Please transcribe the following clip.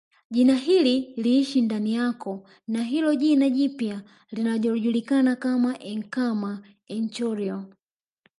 Jina hili liishi ndani yako na hilo jina jipya linalojulikana kama enkama enchorio